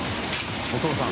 お父さん。